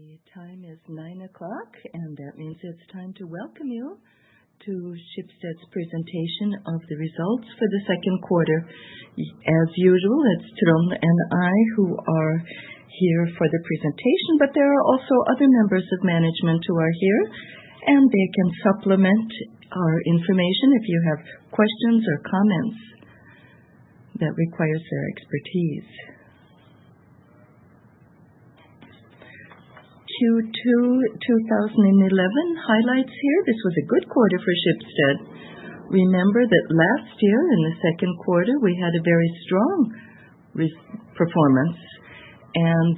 The time is 9:00 A.M., that means it's time to welcome you to Schibsted's presentation of the results for the second quarter. As usual, it's Trond and I who are here for the presentation, there are also other members of management who are here, they can supplement our information if you have questions or comments that requires their expertise. 2011 highlights here. This was a good quarter for Schibsted. Remember that last year in the second quarter, we had a very strong performance,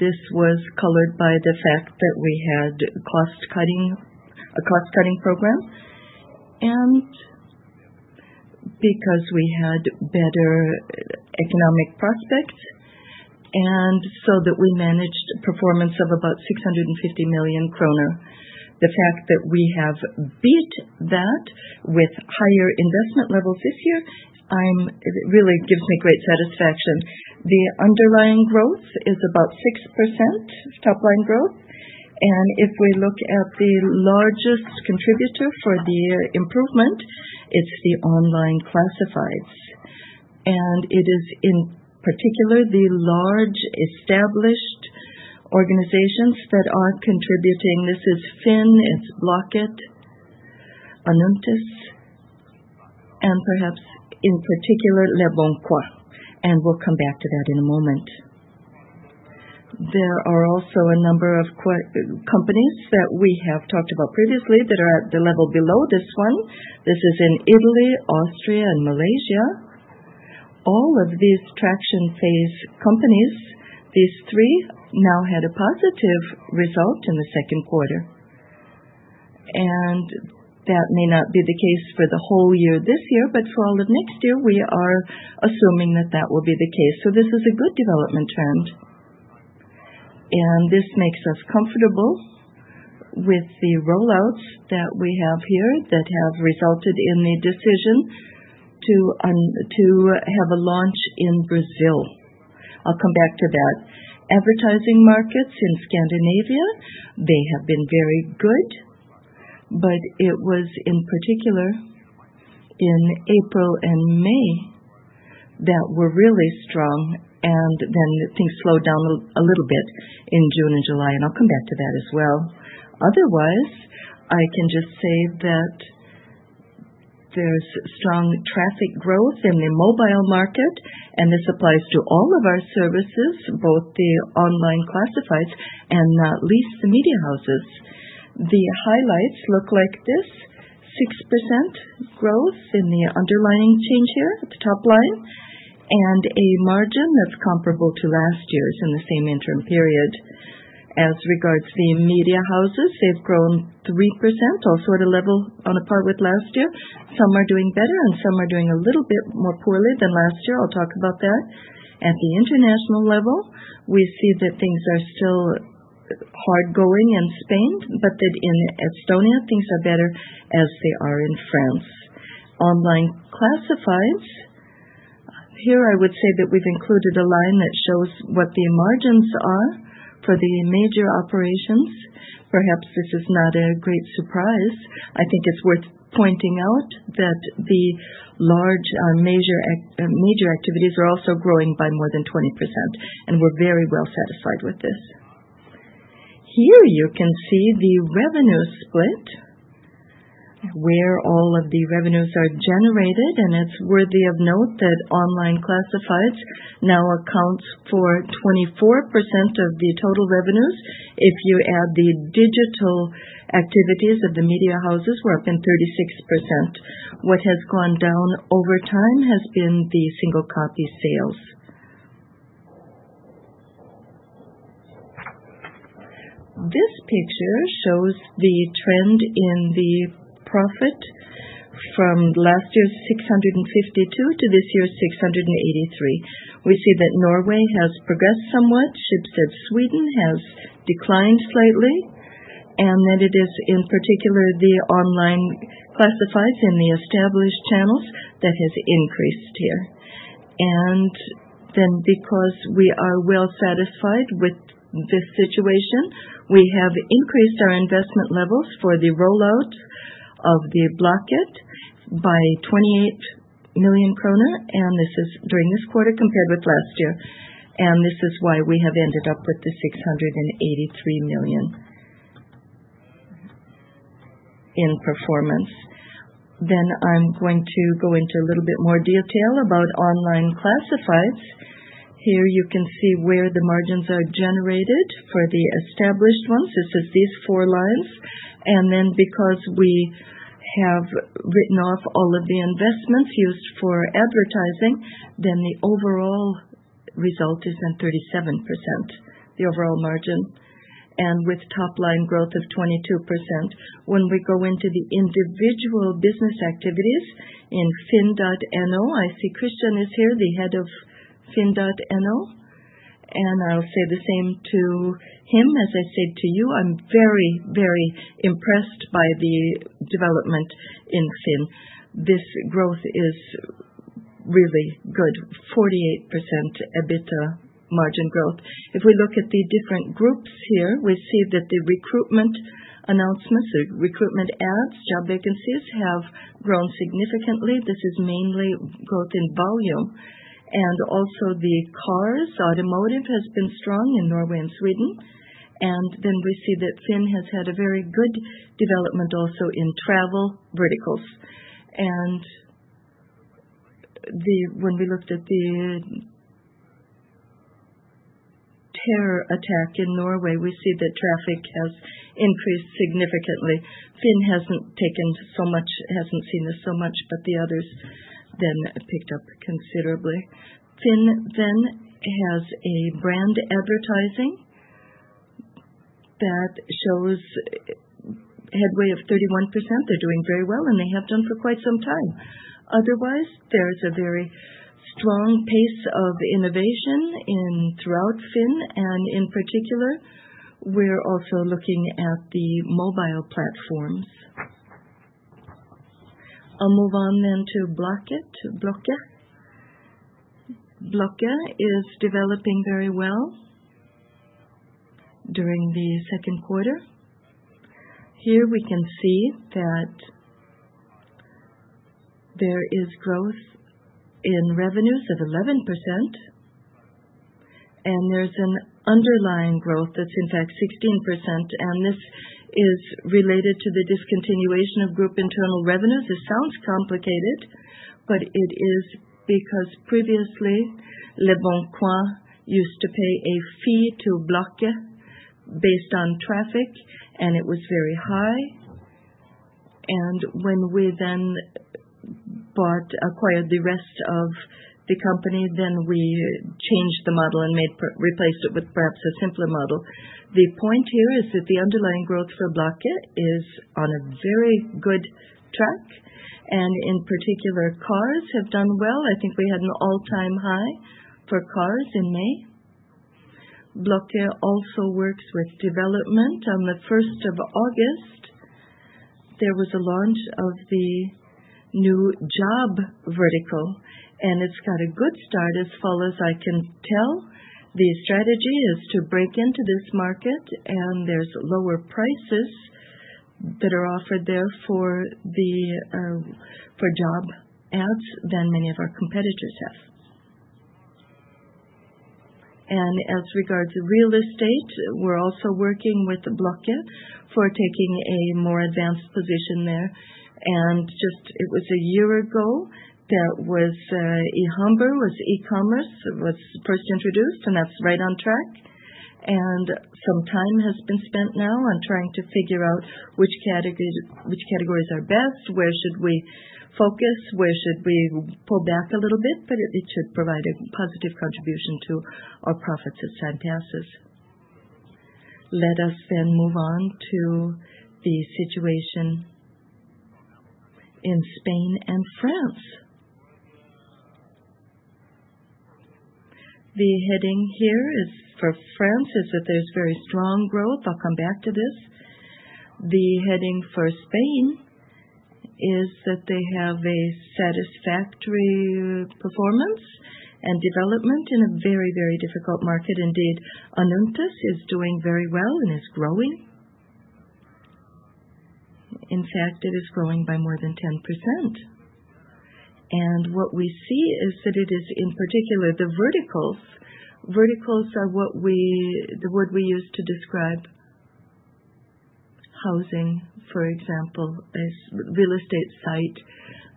this was colored by the fact that we had a cost-cutting program because we had better economic prospects, so that we managed performance of about 650 million kroner. The fact that we have beat that with higher investment levels this year, it really gives me great satisfaction. The underlying growth is about 6% top line growth. If we look at the largest contributor for the improvement, it's the online classifieds. It is in particular the large established organizations that are contributing. This is FINN.no, it's Blocket, Annonces, and perhaps in particular, leboncoin, and we'll come back to that in a moment. There are also a number of companies that we have talked about previously that are at the level below this one. This is in Italy, Austria, and Malaysia. All of these traction phase companies, these three now had a positive result in the second quarter. That may not be the case for the whole year this year, but for all of next year, we are assuming that that will be the case. This is a good development trend. This makes us comfortable with the rollouts that we have here that have resulted in a decision to have a launch in Brazil. I'll come back to that. Advertising markets in Scandinavia, they have been very good, but it was in particular in April and May that were really strong, and then things slowed down a little bit in June and July, and I'll come back to that as well. Otherwise, I can just say that there's strong traffic growth in the mobile market, and this applies to all of our services, both the online classifieds and not least the media houses. The highlights look like this, 6% growth in the underlying change here at the top line, and a margin that's comparable to last year's in the same interim period. As regards the media houses, they've grown 3%, also at a level on a par with last year. Some are doing better, and some are doing a little bit more poorly than last year. I'll talk about that. At the international level, we see that things are still hard going in Spain, but that in Estonia, things are better as they are in France. Online classifieds. Here I would say that we've included a line that shows what the margins are for the major operations. Perhaps this is not a great surprise. I think it's worth pointing out that the large major activities are also growing by more than 20%, and we're very well satisfied with this. Here you can see the revenue split, where all of the revenues are generated. It's worthy of note that online classifieds now accounts for 24% of the total revenues. If you add the digital activities of the media houses, we're up in 36%. What has gone down over time has been the single copy sales. This picture shows the trend in the profit from last year's 652 million to this year's 683 million. We see that Norway has progressed somewhat. Schibsted Sweden has declined slightly. It is in particular the online classifieds in the established channels that has increased here. Because we are well satisfied with this situation, we have increased our investment levels for the rollout of Blocket by 28 million krone. This is during this quarter compared with last year. This is why we have ended up with the 683 million in performance. I'm going to go into a little bit more detail about online classifieds. Here you can see where the margins are generated for the established ones. This is these four lines. Because we have written off all of the investments used for advertising, the overall result is then 37%, the overall margin, and with top line growth of 22%. When we go into the individual business activities in FINN.no, I see Christian is here, the head of FINN.no. I'll say the same to him as I said to you, I'm very impressed by the development in FINN.no. This growth is really good, 48% EBITDA margin growth. If we look at the different groups here, we see that the recruitment announcements or recruitment ads, job vacancies have grown significantly. This is mainly growth in volume, and also the cars, automotive has been strong in Norway and Sweden. We see that FINN.no Has had a very good development also in travel verticals. When we looked at the terror attack in Norway, we see that traffic has increased significantly. FINN.no Hasn't taken so much, hasn't seen this so much, but the others then picked up considerably. FINN.no Then has a brand advertising that shows headway of 31%. They're doing very well, and they have done for quite some time. Otherwise, there's a very strong pace of innovation throughout FINN.no. In particular, we're also looking at the mobile platforms. I'll move on then to Blocket. Blocket is developing very well during the second quarter. Here we can see that there is growth in revenues of 11%, and there's an underlying growth that's in fact 16%, and this is related to the discontinuation of group internal revenues. This sounds complicated, but it is because previously, leboncoin used to pay a fee to Blocket based on traffic, and it was very high. When we then acquired the rest of the company, then we changed the model and replaced it with perhaps a simpler model. The point here is that the underlying growth for Blocket is on a very good track, and in particular, cars have done well. I think we had an all-time high for cars in May. Blocket also works with development. On the first of August, there was a launch of the new job vertical. It's got a good start as well as I can tell. The strategy is to break into this market. There's lower prices that are offered there for the for job ads than many of our competitors have. As regards to real estate, we're also working with Blocket for taking a more advanced position there. Just it was one year ago, there was e-handel was e-commerce. It was first introduced. That's right on track. Some time has been spent now on trying to figure out which categories are best, where should we focus, where should we pull back a little bit, but it should provide a positive contribution to our profits as time passes. Let us then move on to the situation in Spain and France. The heading here is for France, is that there's very strong growth. I'll come back to this. The heading for Spain is that they have a satisfactory performance and development in a very, very difficult market. Indeed, Anuntis is doing very well and is growing. In fact, it is growing by more than 10%. What we see is that it is in particular the verticals. Verticals are what the word we use to describe housing, for example, is real estate site.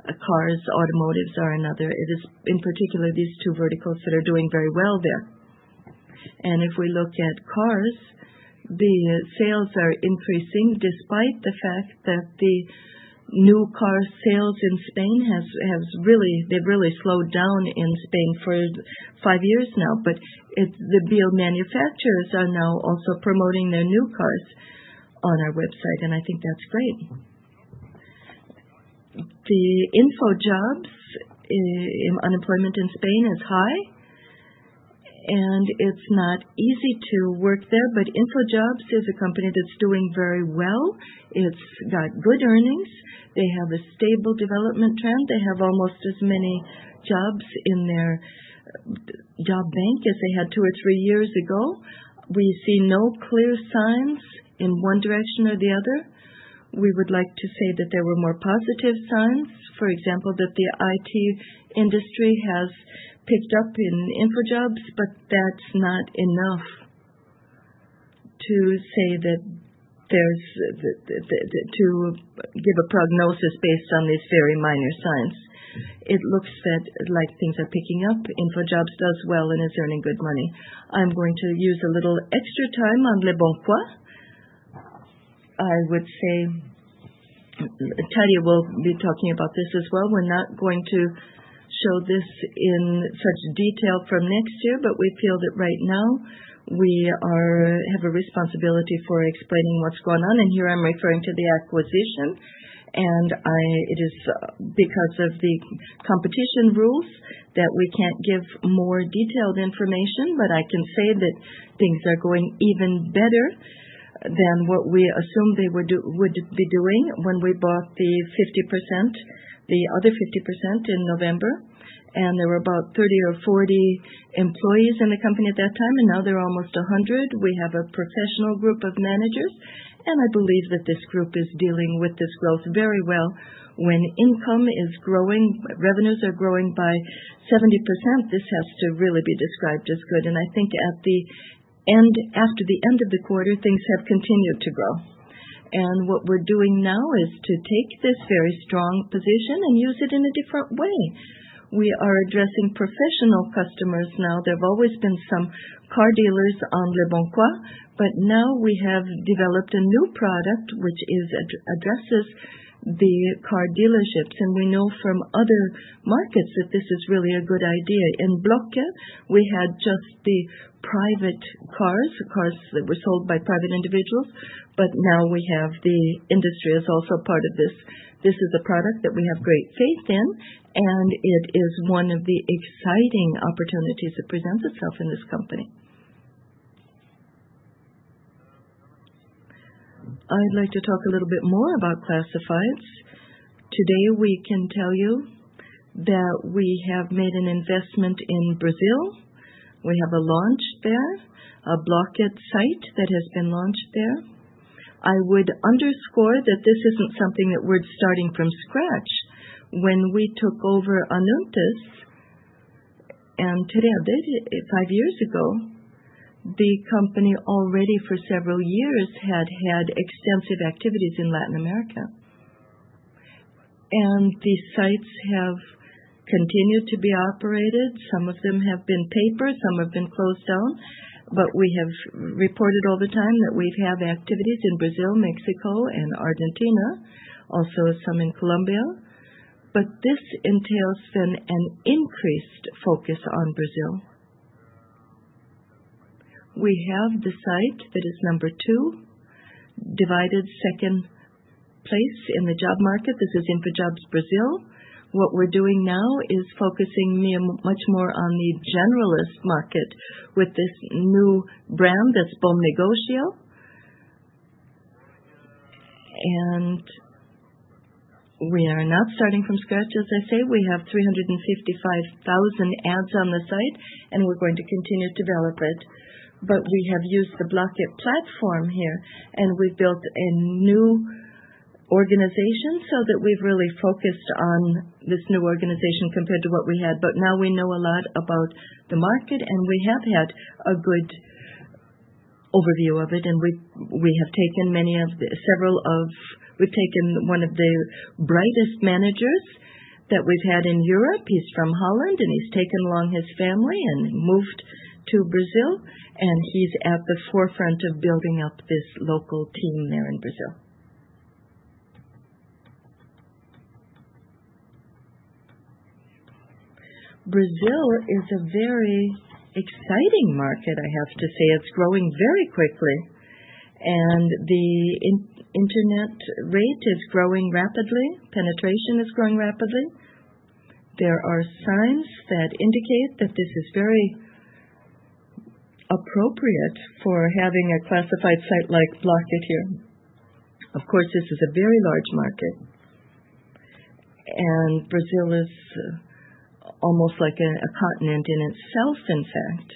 Cars, automotives are another. It is in particular these two verticals that are doing very well there. If we look at cars, the sales are increasing despite the fact that the new car sales in Spain they've really slowed down in Spain for five years now. It's the build manufacturers are now also promoting their new cars on our website, and I think that's great. The InfoJobs unemployment in Spain is high, and it's not easy to work there, but InfoJobs is a company that's doing very well. It's got good earnings. They have a stable development trend. They have almost as many jobs in their job bank as they had two or three years ago. We see no clear signs in one direction or the other. We would like to say that there were more positive signs, for example, that the IT industry has picked up in InfoJobs, but that's not enough to say that there's to give a prognosis based on these very minor signs. It looks that like things are picking up. InfoJobs does well and is earning good money. I'm going to use a little extra time on leboncoin. I would say, Terje will be talking about this as well. We're not going to show this in such detail from next year, but we feel that right now we have a responsibility for explaining what's going on, and here I'm referring to the acquisition. It is because of the competition rules that we can't give more detailed information, but I can say that things are going even better than what we assumed they would do, would be doing when we bought the 50%, the other 50% in November. There were about 30 or 40 employees in the company at that time, and now they're almost 100. We have a professional group of managers, and I believe that this group is dealing with this growth very well. When income is growing, revenues are growing by 70%, this has to really be described as good. I think after the end of the quarter, things have continued to grow. What we're doing now is to take this very strong position and use it in a different way. We are addressing professional customers now. There have always been some car dealers on leboncoin, now we have developed a new product which addresses the car dealerships. We know from other markets that this is really a good idea. In Blocket, we had just the private cars, the cars that were sold by private individuals, now we have the industry is also part of this. This is a product that we have great faith in, it is one of the exciting opportunities that presents itself in this company. I'd like to talk a little bit more about classifieds. Today, we can tell you that we have made an investment in Brazil. We have a launch there, a Blocket site that has been launched there. I would underscore that this isn't something that we're starting from scratch. When we took over Annonces, five years ago, the company already for several years had had extensive activities in Latin America. These sites have continued to be operated. Some of them have been paper, some have been closed down. We have reported all the time that we have activities in Brazil, Mexico, and Argentina, also some in Colombia. This entails an increased focus on Brazil. We have the site that is number two, divided second place in the job market. This is InfoJobs Brazil. What we're doing now is focusing much more on the generalist market with this new brand that's Bom Negócio. We are not starting from scratch, as I say. We have 355,000 ads on the site, and we're going to continue to develop it. We have used the Blocket platform here, and we've built a new organization so that we've really focused on this new organization compared to what we had. Now we know a lot about the market, and we have had a good overview of it, and we have taken one of the brightest managers that we've had in Europe. He's from Holland, and he's taken along his family and moved to Brazil, and he's at the forefront of building up this local team there in Brazil. Brazil is a very exciting market, I have to say. It's growing very quickly. The in-internet rate is growing rapidly. Penetration is growing rapidly. There are signs that indicate that this is very appropriate for having a classified site like Blocket here. Of course, this is a very large market, and Brazil is almost like a continent in itself, in fact.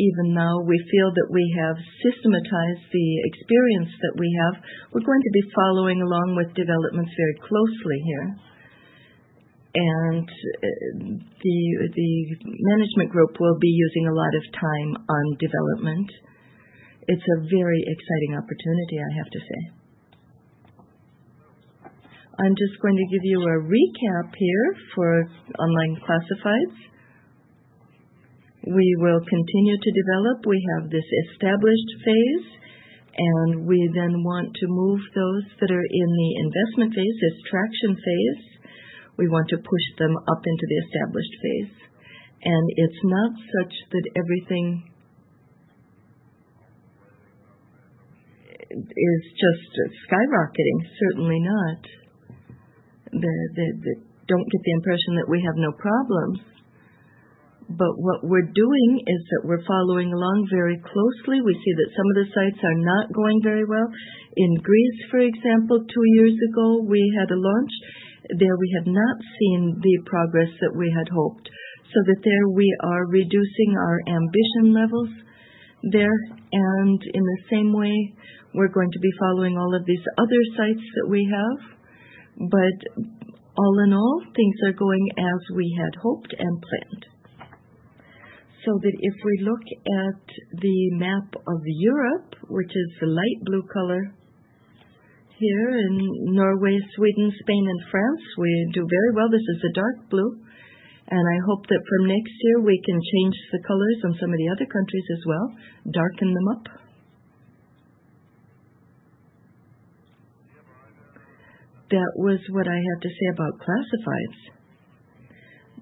Even now, we feel that we have systematized the experience that we have. We're going to be following along with developments very closely here. The, the management group will be using a lot of time on development. It's a very exciting opportunity, I have to say. I'm just going to give you a recap here for online classifieds. We will continue to develop. We have this established phase, we then want to move those that are in the investment phase, this traction phase, we want to push them up into the established phase. It's not such that everything is just skyrocketing, certainly not. Don't get the impression that we have no problems. What we're doing is that we're following along very closely. We see that some of the sites are not going very well. In Greece, for example, two years ago, we had a launch. There we have not seen the progress that we had hoped, so that there we are reducing our ambition levels there. In the same way, we're going to be following all of these other sites that we have. All in all, things are going as we had hoped and planned. If we look at the map of Europe, which is the light blue color here in Norway, Sweden, Spain, and France, we do very well. This is the dark blue. I hope that from next year, we can change the colors on some of the other countries as well, darken them up. That was what I had to say about classifieds.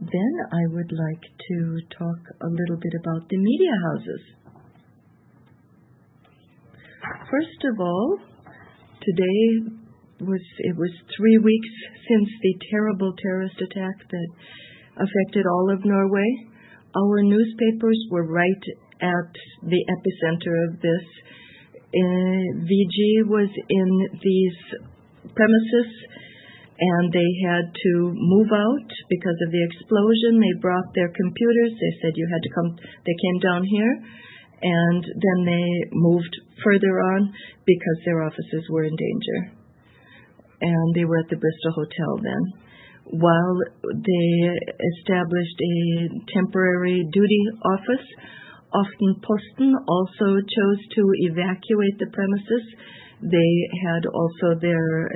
I would like to talk a little bit about the media houses. First of all, it was three weeks since the terrible terrorist attack that affected all of Norway. Our newspapers were right at the epicenter of this. VG was in these premises, and they had to move out because of the explosion. They brought their computers. They came down here, and then they moved further on because their offices were in danger. They were at the Bristol Hotel then. While they established a temporary duty office, Aftenposten also chose to evacuate the premises. They had also their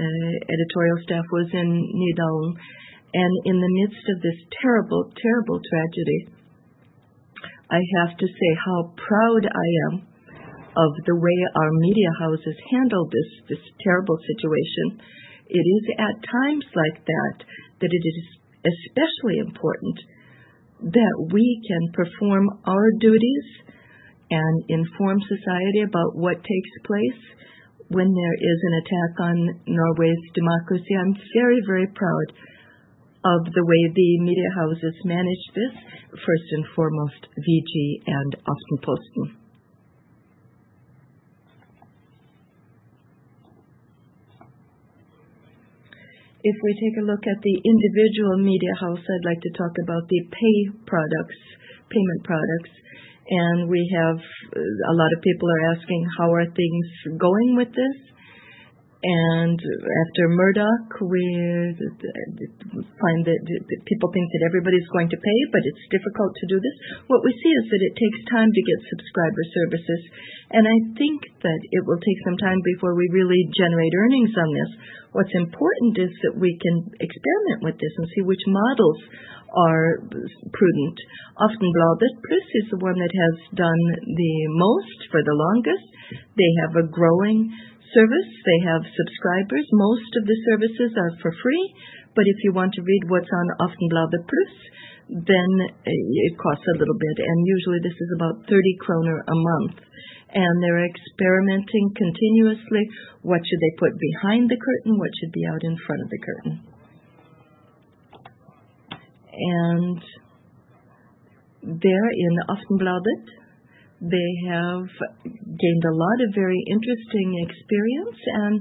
editorial staff was in Nydalen. In the midst of this terrible tragedy, I have to say how proud I am of the way our media houses handled this terrible situation. It is at times like that it is especially important that we can perform our duties and inform society about what takes place when there is an attack on Norway's democracy. I'm very, very proud of the way the media houses managed this, first and foremost, VG and Aftenposten. If we take a look at the individual media house, I'd like to talk about the pay products, payment products. We have, a lot of people are asking, how are things going with this? After Murdoch, we find that people think that everybody's going to pay, but it's difficult to do this. What we see is that it takes time to get subscriber services, and I think that it will take some time before we really generate earnings on this. What's important is that we can experiment with this and see which models are prudent. Aftenbladet Pluss is the one that has done the most for the longest. They have a growing service. They have subscribers. Most of the services are for free, but if you want to read what's on Aftenbladet Pluss, then it costs a little bit. Usually, this is about 30 kroner a month. They're experimenting continuously. What should they put behind the curtain? What should be out in front of the curtain? There in Aftenbladet, they have gained a lot of very interesting experience, and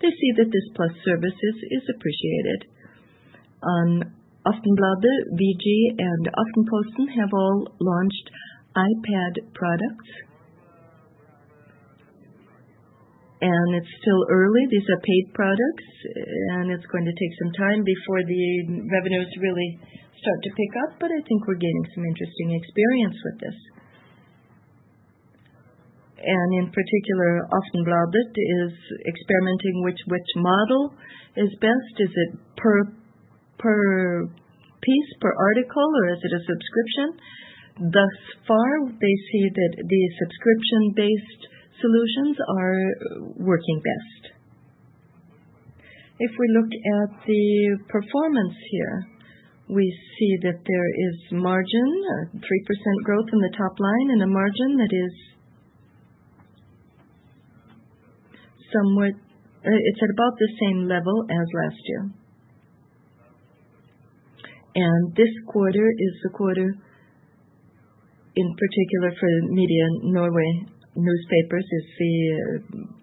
they see that this Plus services is appreciated. Aftenbladet, VG, and Aftenposten have all launched iPad products. It's still early. These are paid products, and it's going to take some time before the revenues really start to pick up, but I think we're gaining some interesting experience with this. In particular, Aftenbladet is experimenting which model is best. Is it per piece, per article, or is it a subscription? Thus far, they see that the subscription-based solutions are working best. If we look at the performance here, we see that there is margin, a 3% growth in the top line and a margin that is somewhat at about the same level as last year. This quarter is the quarter, in particular for Media Norge Newspapers, is the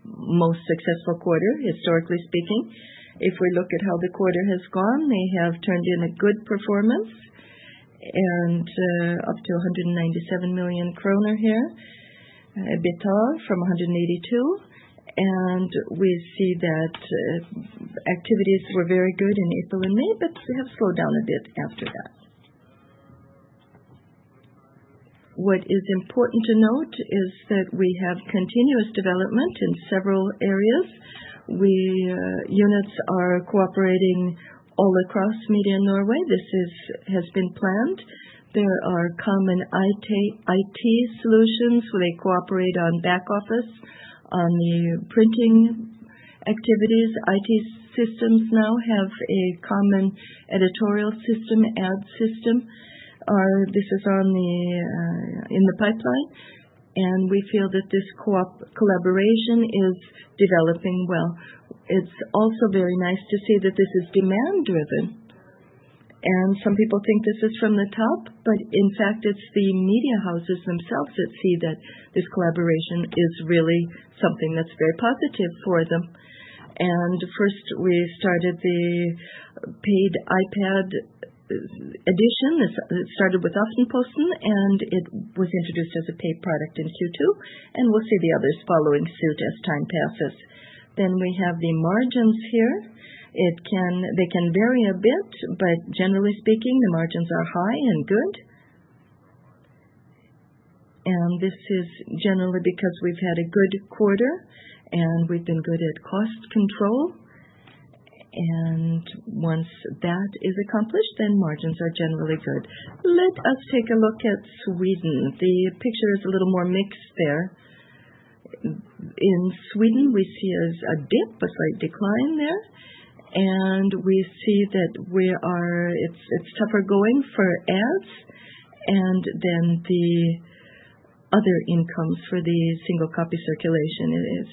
most successful quarter, historically speaking. If we look at how the quarter has gone, they have turned in a good performance up to 197 million kroner here, EBITDA from 182 million. We see that activities were very good in April and May, but they have slowed down a bit after that. What is important to note is that we have continuous development in several areas. We units are cooperating all across Media Norge. This has been planned. There are common IT solutions, so they cooperate on back office, on the printing activities. IT systems now have a common editorial system, ad system. This is on the in the pipeline, and we feel that this collaboration is developing well. It's also very nice to see that this is demand-driven. Some people think this is from the top, but in fact, it's the media houses themselves that see that this collaboration is really something that's very positive for them. First, we started the paid iPad e-edition. It started with Aftenposten, it was introduced as a paid product in Q2, we'll see the others following suit as time passes. We have the margins here. They can vary a bit, but generally speaking, the margins are high and good. This is generally because we've had a good quarter, we've been good at cost control. Once that is accomplished, margins are generally good. Let us take a look at Sweden. The picture is a little more mixed there. In Sweden, we see a dip, a slight decline there. We see that we are, it's tougher going for ads. The other income for the single copy circulation is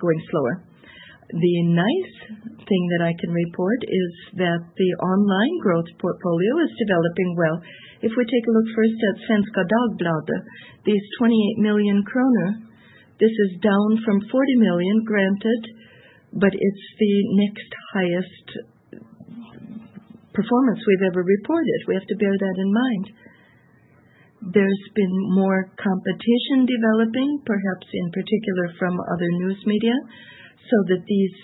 going slower. The nice thing that I can report is that the online growth portfolio is developing well. If we take a look first at Svenska Dagbladet, these 28 million kronor, this is down from 40 million, granted, but it's the next highest performance we've ever reported. We have to bear that in mind. There's been more competition developing, perhaps in particular from other news media, so that these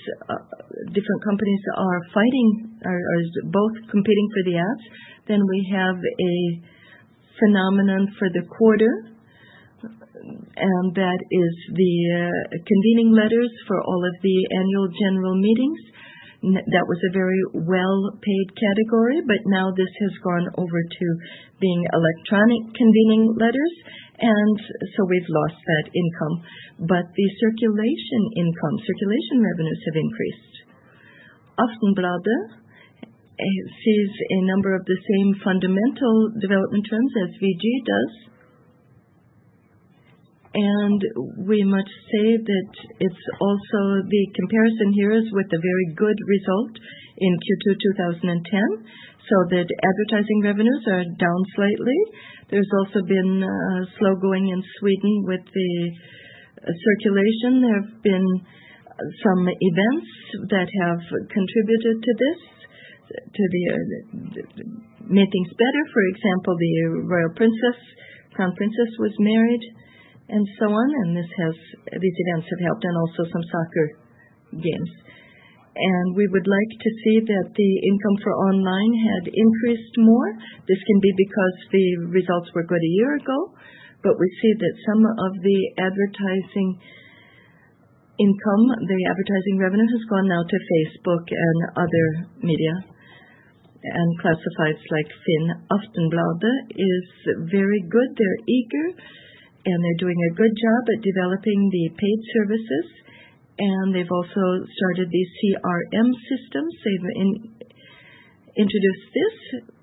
different companies are fighting or both competing for the ads. We have a phenomenon for the quarter, and that is the convening letters for all of the annual general meetings. That was a very well-paid category, but now this has gone over to being electronic convening letters, and so we've lost that income. The circulation income, circulation revenues have increased. Aftenbladet sees a number of the same fundamental development trends as VG does. We must say that it's also the comparison here is with a very good result in Q2 2010. Advertising revenues are down slightly. There's also been slow going in Sweden with the circulation. There have been some events that have contributed to this to make things better. For example, the Royal Princess, Crown Princess was married and so on. These events have helped and also some soccer games. We would like to see that the income for online had increased more. This can be because the results were good a year ago. We see that some of the advertising income, the advertising revenue, has gone now to Facebook and other media and classifieds like FINN.no. Aftenbladet is very good. They're eager, they're doing a good job at developing the paid services, and they've also started the CRM system. They've introduced this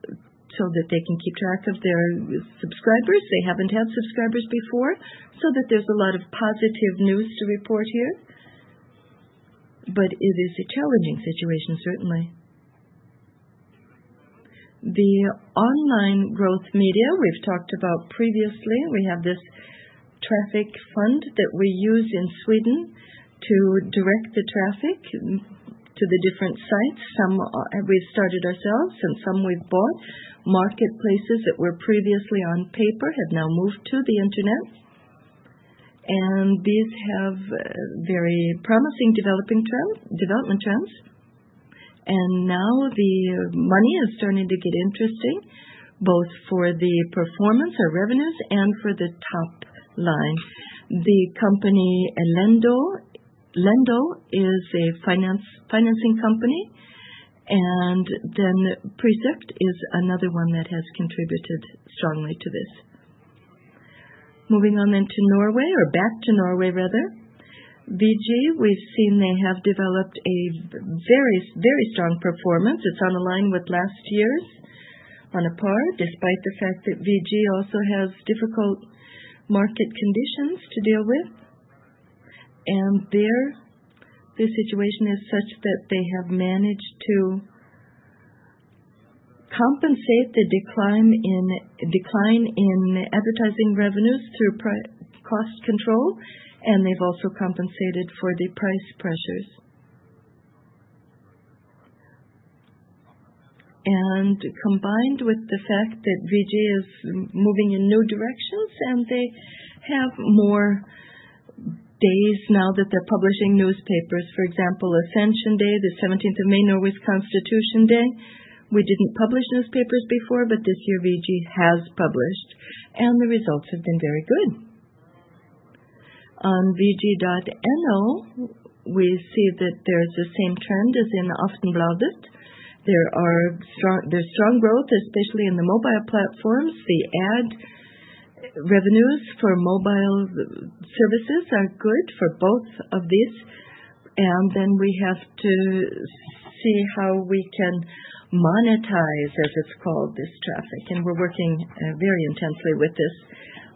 so that they can keep track of their subscribers. They haven't had subscribers before, there's a lot of positive news to report here. It is a challenging situation, certainly. The online growth media we've talked about previously. We have this traffic fund that we use in Sweden to direct the traffic to the different sites. Some we've started ourselves and some we've bought. Marketplaces that were previously on paper have now moved to the internet, these have very promising development trends. Now the money is starting to get interesting, both for the performance, our revenues, and for the top line. The company Lendo. Lendo is a financing company, and then Prisjakt is another one that has contributed strongly to this. Moving on then to Norway or back to Norway, rather. VG, we've seen, they have developed a very, very strong performance. It's on a line with last year's on a par, despite the fact that VG also has difficult market conditions to deal with. There the situation is such that they have managed to compensate the decline in advertising revenues through cost control, and they've also compensated for the price pressures. Combined with the fact that VG is moving in new directions, and they have more days now that they're publishing newspapers. For example, Ascension Day, the seventeenth of May, Norway's Constitution Day. We didn't publish newspapers before, but this year VG has published, and the results have been very good. On vg.no, we see that there's the same trend as in Aftenbladet. There's strong growth, especially in the mobile platforms. The ad revenues for mobile services are good for both of these, and then we have to see how we can monetize, as it's called, this traffic. We're working very intensely with this.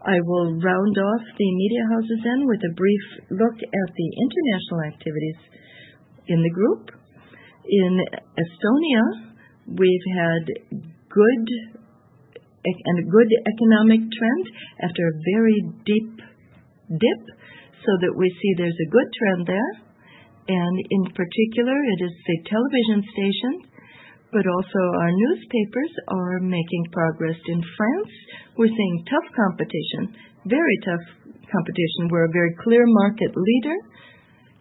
I will round off the media houses then with a brief look at the international activities in the group. In Estonia, we've had a good economic trend after a very deep dip so that we see there's a good trend there. In particular, it is the television station, but also our newspapers are making progress. In France, we're seeing tough competition, very tough competition. We're a very clear market leader,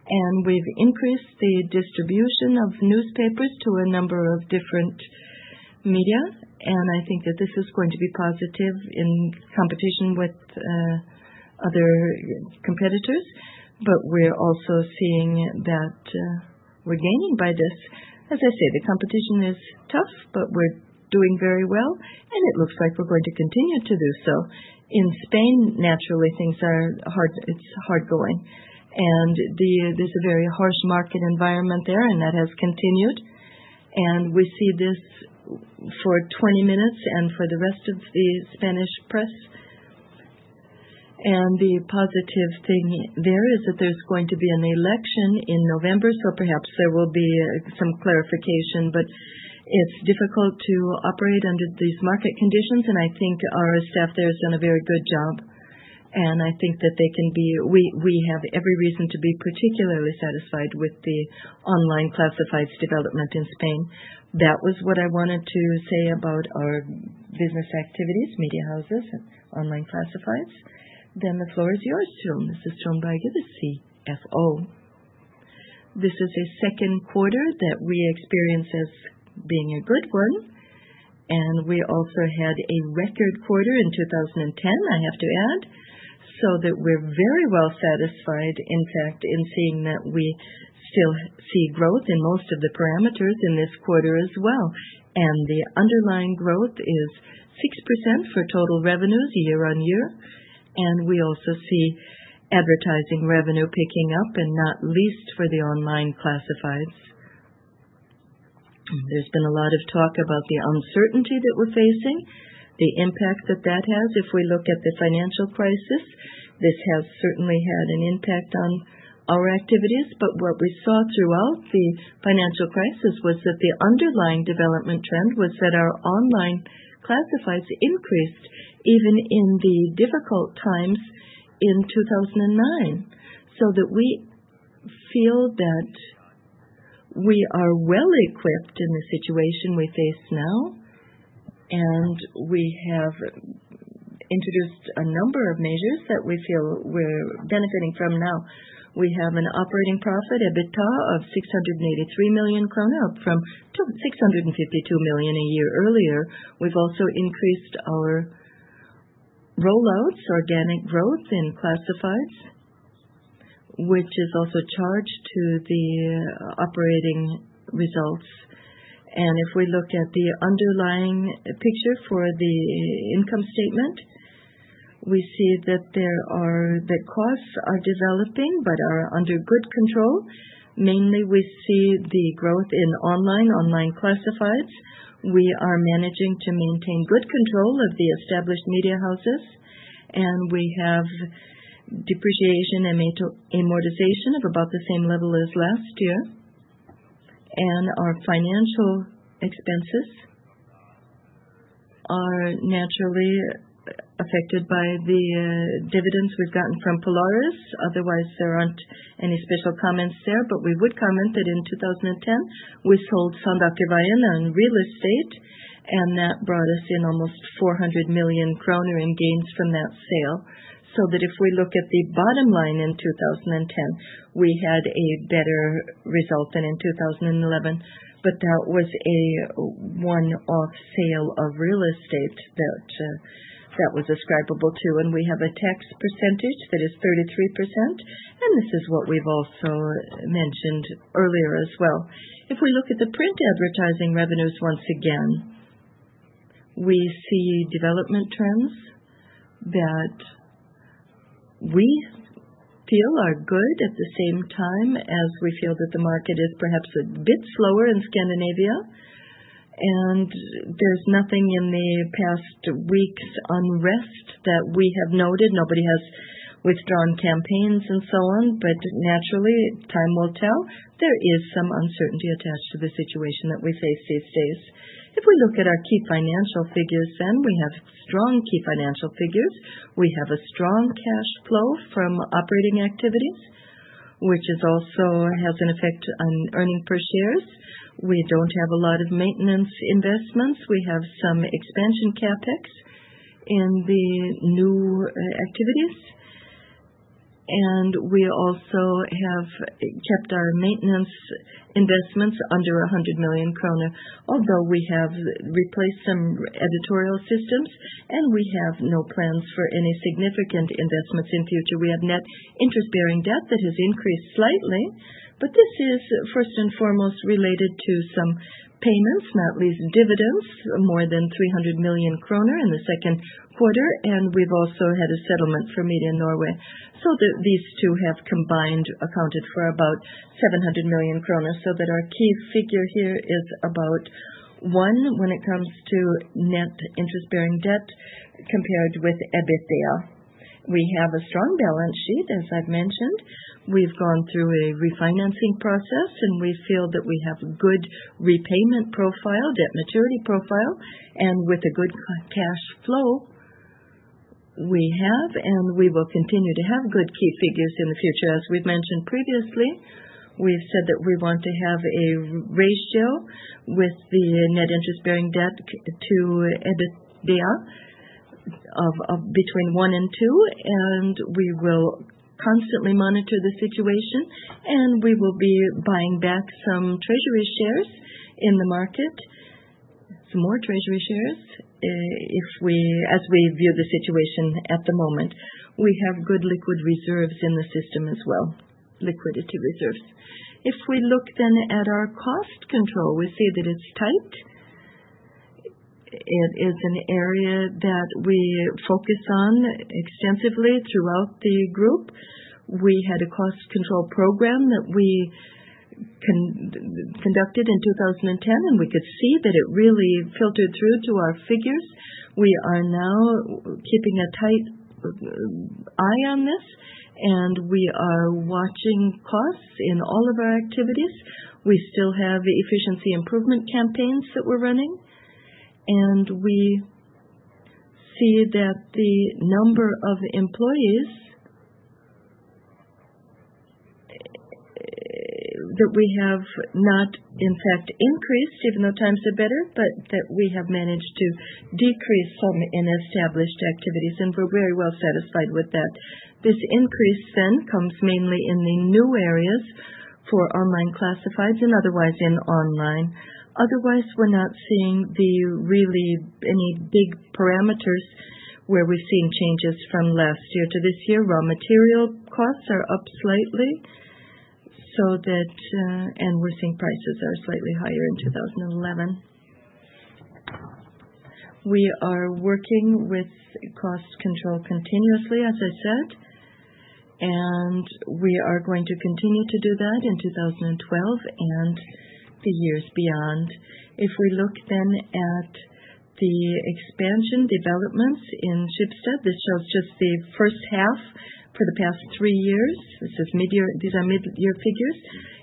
and we've increased the distribution of newspapers to a number of different media. I think that this is going to be positive in competition with other competitors. We're also seeing that we're gaining by this. As I say, the competition is tough, but we're doing very well, and it looks like we're going to continue to do so. In Spain, naturally, things are hard, it's hard going, and there's a very harsh market environment there, and that has continued. We see this for 20 minutes and for the rest of the Spanish press. The positive thing there is that there's going to be an election in November, so perhaps there will be some clarification. It's difficult to operate under these market conditions, and I think our staff there has done a very good job, and I think that we have every reason to be particularly satisfied with the online classifieds development in Spain. That was what I wanted to say about our business activities, media houses, and online classifieds. The floor is yours, Trond. This is Trond Berger, the CFO. This is a second quarter that we experience as being a good one, and we also had a record quarter in 2010, I have to add, so that we're very well satisfied, in fact, in seeing that we still see growth in most of the parameters in this quarter as well. The underlying growth is 6% for total revenues year-over-year. We also see advertising revenue picking up and not least for the online classifieds. There's been a lot of talk about the uncertainty that we're facing, the impact that that has. If we look at the financial crisis, this has certainly had an impact on our activities. What we saw throughout the financial crisis was that the underlying development trend was that our online classifieds increased even in the difficult times in 2009. We feel that we are well equipped in the situation we face now, and we have introduced a number of measures that we feel we're benefiting from now. We have an operating profit, EBITDA, of 683 million krone, from 652 million a year earlier. We've also increased our rollouts, organic growth in classifieds, which is also charged to the operating results. If we look at the underlying picture for the income statement, we see that the costs are developing but are under good control. Mainly, we see the growth in online classifieds. We are managing to maintain good control of the established media houses, and we have depreciation and amortization of about the same level as last year. Our financial expenses are naturally affected by the dividends we've gotten from Polaris. Otherwise, there aren't any special comments there. We would comment that in 2010, we sold Sanejament de Vallès on real estate, and that brought us in almost 400 million kroner in gains from that sale. If we look at the bottom line in 2010, we had a better result than in 2011. That was a one-off sale of real estate that was ascribable to. We have a tax percentage that is 33%, and this is what we've also mentioned earlier as well. If we look at the print advertising revenues once again, we see development terms that we feel are good at the same time as we feel that the market is perhaps a bit slower in Scandinavia. There's nothing in the past week's unrest that we have noted. Nobody has withdrawn campaigns and so on. Naturally, time will tell. There is some uncertainty attached to the situation that we face these days. If we look at our key financial figures, then we have strong key financial figures. We have a strong cash flow from operating activities, which is also has an effect on earning per shares. We don't have a lot of maintenance investments. We have some expansion CapEx in the new activities, and we also have kept our maintenance investments under 100 million kroner, although we have replaced some editorial systems, and we have no plans for any significant investments in future. We have net interest-bearing debt that has increased slightly, but this is first and foremost related to some payments, not least dividends, more than 300 million kroner in the Q2. We've also had a settlement for Media Norge. These two have combined accounted for about 700 million kroner, so that our key figure here is about one when it comes to net interest-bearing debt compared with EBITDA. We have a strong balance sheet, as I've mentioned. We've gone through a refinancing process, and we feel that we have good repayment profile, debt maturity profile. With the good cash flow we have, and we will continue to have good key figures in the future. As we've mentioned previously, we've said that we want to have a ratio with the net interest-bearing debt to EBITDA between one and two, and we will constantly monitor the situation, and we will be buying back some treasury shares in the market, some more treasury shares, as we view the situation at the moment. We have good liquid reserves in the system as well, liquidity reserves. If we look then at our cost control, we see that it's tight. It is an area that we focus on extensively throughout the group. We had a cost control program that we conducted in 2010, and we could see that it really filtered through to our figures. We are now keeping a tight eye on this. We are watching costs in all of our activities. We still have efficiency improvement campaigns that we're running. We see that the number of employees we have not, in fact, increased even though times are better. We have managed to decrease some in established activities. We're very well satisfied with that. This increase comes mainly in the new areas for online classifieds and otherwise in online. Otherwise, we're not seeing really any big parameters where we're seeing changes from last year to this year. Raw material costs are up slightly. We're seeing prices are slightly higher in 2011. We are working with cost control continuously, as I said. We are going to continue to do that in 2012 and the years beyond. If we look then at the expansion developments in Schibsted, this shows just the first half for the past three years. This is midyear. These are midyear figures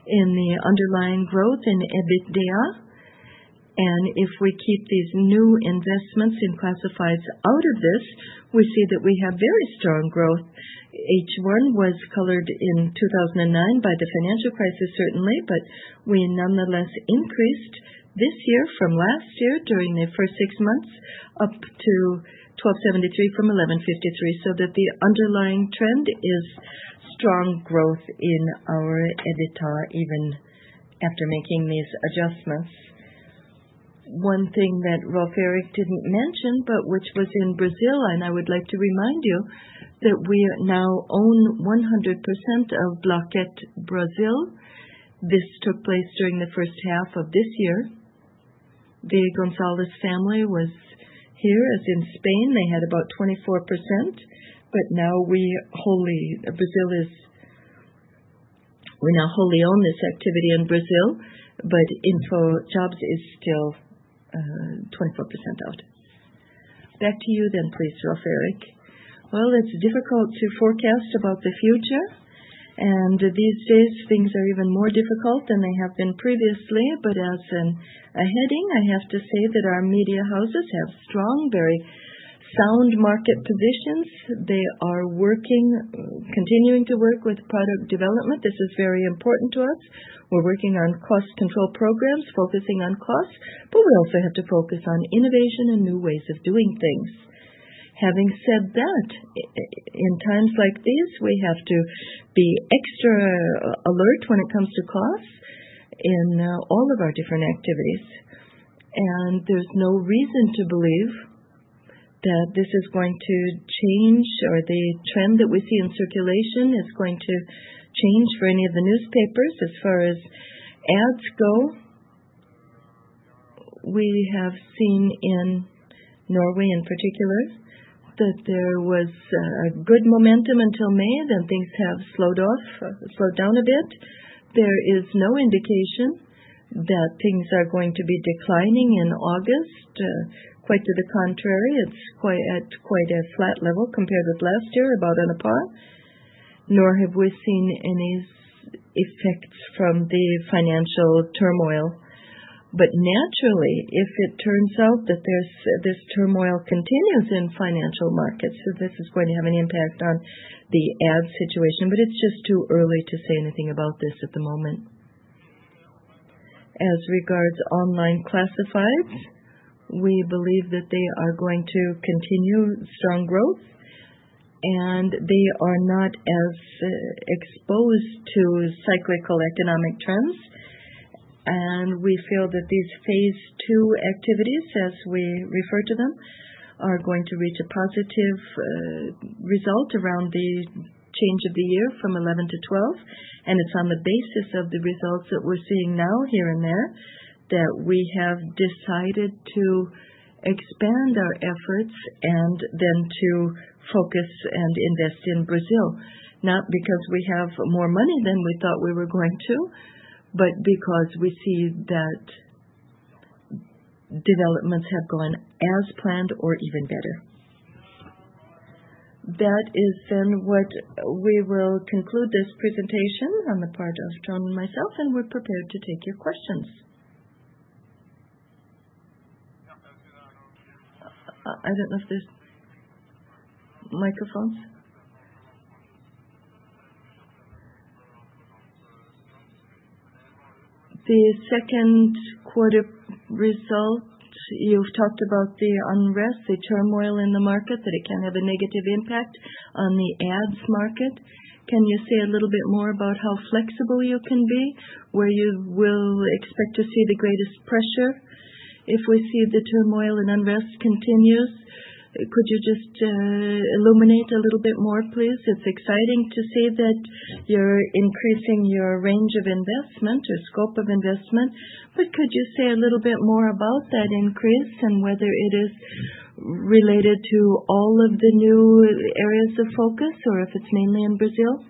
in the underlying growth in EBITDA. If we keep these new investments in classifieds out of this, we see that we have very strong growth. H1 was colored in 2009 by the financial crisis, certainly, but we nonetheless increased this year from last year during the first six months, up to 1,273 from 1,153. The underlying trend is strong growth in our EBITDA even after making these adjustments. One thing that Rolv Erik didn't mention, but which was in Brazil, I would like to remind you that we now own 100% of Bom Negócio Brazil. This took place during the first half of this year. The González family was here, as in Spain. They had about 24%, We now wholly own this activity in Brazil, InfoJobs is still 24% out. Back to you please, Rolv Erik. It's difficult to forecast about the future, these days things are even more difficult than they have been previously. As a heading, I have to say that our media houses have strong, very sound market positions. They are working, continuing to work with product development. This is very important to us. We're working on cost control programs, focusing on costs, we also have to focus on innovation and new ways of doing things. Having said that, in times like these, we have to be extra alert when it comes to costs in all of our different activities. There's no reason to believe that this is going to change or the trend that we see in circulation is going to change for any of the newspapers. As far as ads go, we have seen in Norway in particular that there was a good momentum until May, then things have slowed down a bit. There is no indication that things are going to be declining in August. Quite to the contrary, it's quite a flat level compared with last year, about on a par. Nor have we seen any effects from the financial turmoil. Naturally, if it turns out that this turmoil continues in financial markets, so this is going to have an impact on the ad situation, but it's just too early to say anything about this at the moment. As regards online classifieds, we believe that they are going to continue strong growth. They are not as exposed to cyclical economic trends. We feel that these phase 2 activities, as we refer to them, are going to reach a positive result around the change of the year from 2011 to 2012. It's on the basis of the results that we're seeing now here and there that we have decided to expand our efforts and then to focus and invest in Brazil, not because we have more money than we thought we were going to, but because we see that developments have gone as planned or even better. That is then what we will conclude this presentation on the part of Trond and myself. We're prepared to take your questions. I don't know if there's microphones. The second quarter result, you've talked about the unrest, the turmoil in the market, that it can have a negative impact on the ads market. Can you say a little bit more about how flexible you can be, where you will expect to see the greatest pressure if we see the turmoil and unrest continues? Could you just illuminate a little bit more, please? It's exciting to see that you're increasing your range of investment or scope of investment. Could you say a little bit more about that increase and whether it is related to all of the new areas of focus or if it's mainly in Brazil?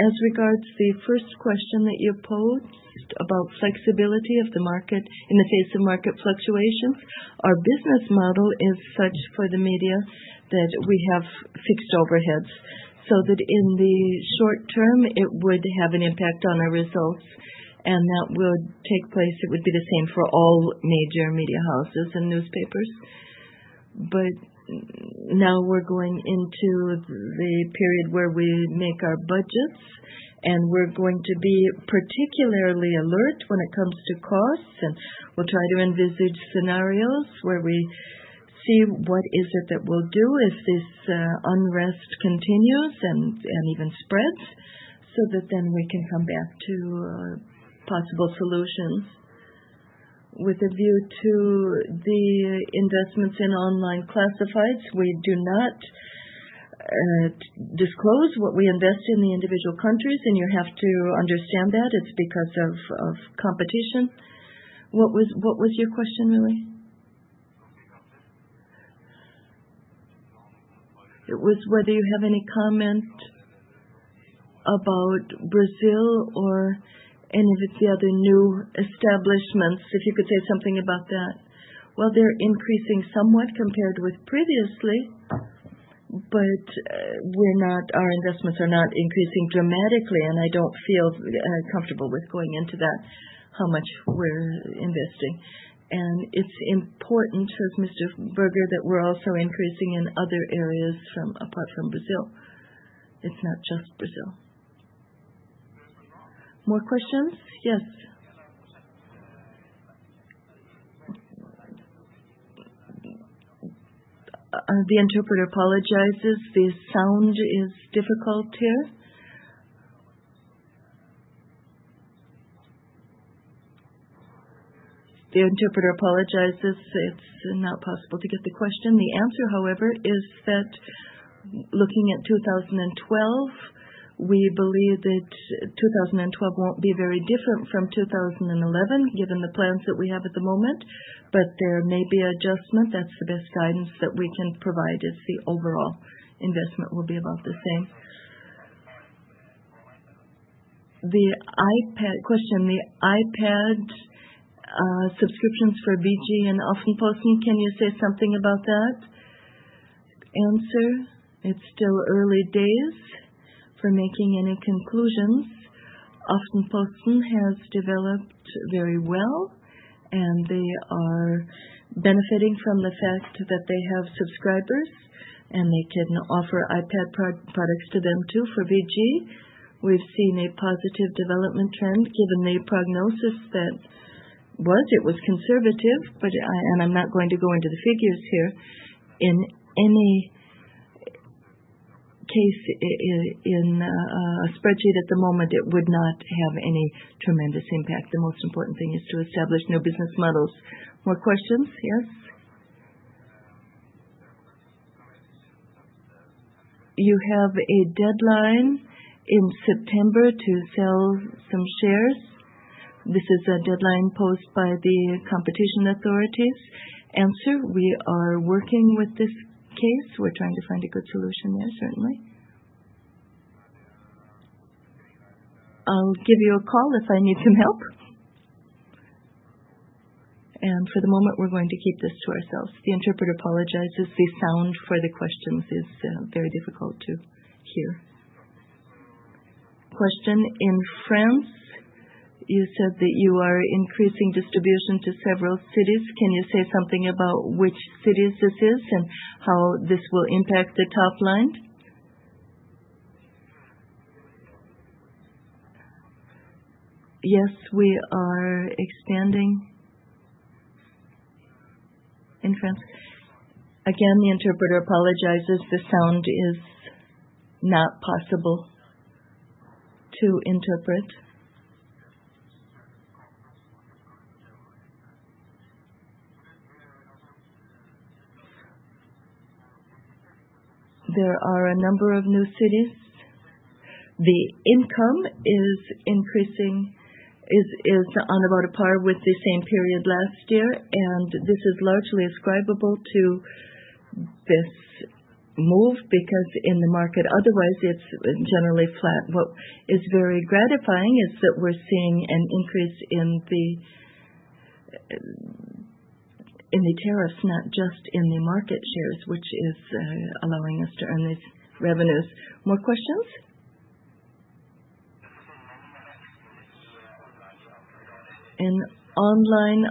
As regards to the first question that you posed about flexibility of the market in the face of market fluctuations, our business model is such for the media that we have fixed overheads, so that in the short term, it would have an impact on our results, and that would take place. It would be the same for all major media houses and newspapers. Now we're going into the period where we make our budgets, and we're going to be particularly alert when it comes to costs. We'll try to envisage scenarios where we see what is it that we'll do if this unrest continues and even spreads so that then we can come back to possible solutions. With a view to the investments in online classifieds, we do not disclose what we invest in the individual countries. You have to understand that it's because of competition. What was, what was your question, really? It was whether you have any comment about Brazil or any of the other new establishments, if you could say something about that. Well, they're increasing somewhat compared with previously, but our investments are not increasing dramatically. I don't feel comfortable with going into that, how much we're investing. It's important, says Mr. Berger, that we're also increasing in other areas from apart from Brazil. It's not just Brazil. More questions? Yes. The interpreter apologizes. The sound is difficult here. The interpreter apologizes. It's not possible to get the question. The answer, however, is that looking at 2012, we believe that 2012 won't be very different from 2011, given the plans that we have at the moment. There may be an adjustment. That's the best guidance that we can provide is the overall investment will be about the same. The iPad, subscriptions for VG and Aftenposten, can you say something about that? It's still early days for making any conclusions. Aftenposten has developed very well, and they are benefiting from the fact that they have subscribers, and they can offer iPad products to them, too. For VG, we've seen a positive development trend, given the prognosis that was. It was conservative, but, and I'm not going to go into the figures here. In any case, in a spreadsheet at the moment, it would not have any tremendous impact. The most important thing is to establish new business models. More questions? Yes. You have a deadline in September to sell some shares. This is a deadline posed by the competition authorities. We are working with this case. We're trying to find a good solution there, certainly. I'll give you a call if I need some help. For the moment, we're going to keep this to ourselves. The interpreter apologizes. The sound for the questions is very difficult to hear. In France, you said that you are increasing distribution to several cities. Can you say something about which cities this is and how this will impact the top line? Yes, we are expanding in France. Again, the interpreter apologizes. The sound is not possible to interpret. There are a number of new cities. The income is increasing. Is on about a par with the same period last year, and this is largely ascribable to this move because in the market, otherwise, it's generally flat. What is very gratifying is that we're seeing an increase in the tariffs, not just in the market shares, which is allowing us to earn these revenues. More questions? In online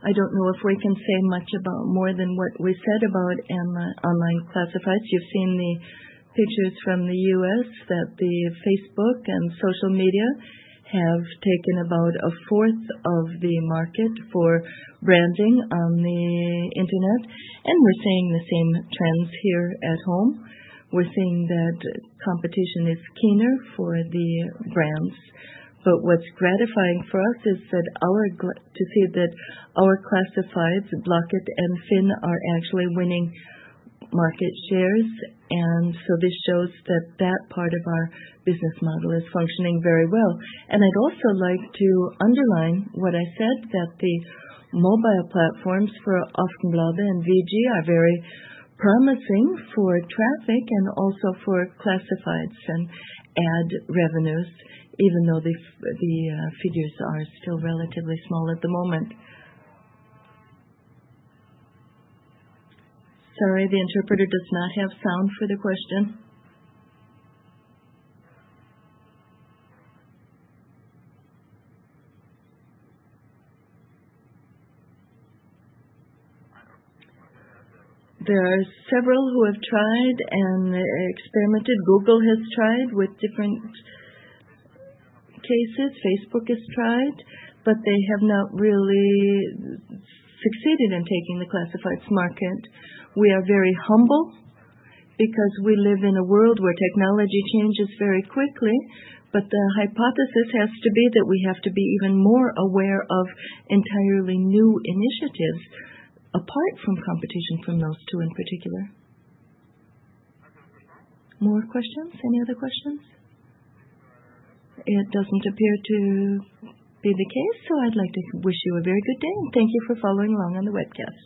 Aftenbladet. I don't know if we can say much about more than what we said about in the online classifieds. You've seen the pictures from the U.S. that Facebook and social media have taken about 1/4 of the market for branding on the internet, and we're seeing the same trends here at home. We're seeing that competition is keener for the brands. What's gratifying for us is that our to see that our classifieds, Blocket and FINN.no, are actually winning market shares. This shows that that part of our business model is functioning very well. I'd also like to underline what I said that the mobile platforms for Aftenbladet and VG are very promising for traffic and also for classifieds and ad revenues, even though the figures are still relatively small at the moment. Sorry, the interpreter does not have sound for the question. There are several who have tried, and they experimented. Google has tried with different cases. Facebook has tried, but they have not really succeeded in taking the classifieds market. We are very humble because we live in a world where technology changes very quickly, but the hypothesis has to be that we have to be even more aware of entirely new initiatives apart from competition from those two in particular. More questions? Any other questions? It doesn't appear to be the case, so I'd like to wish you a very good day, and thank you for following along on the webcast.